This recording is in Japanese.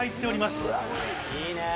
いいね！